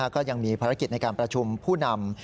ก็ยังมีภารกิจในการประชุมผู้นำ